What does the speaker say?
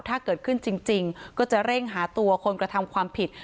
ถ้าเกิดขึ้นจริงก็จะเร่งหาตัวคนกระทำความผิด